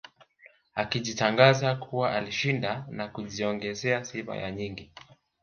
Akajitangaza kuwa alishinda na kujiongezea sifa ya nyingi